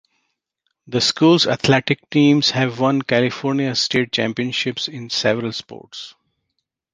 The school's athletic teams have won California State Championships in several sports.